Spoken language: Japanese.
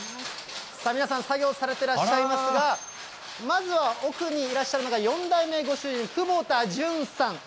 さあ皆さん、作業されてらっしゃいますが、まずは奥にいらっしゃるのが４代目ご主人、久保田淳さん。